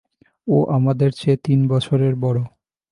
ও আমাদের চেয়ে তিনবছরের বড়ো।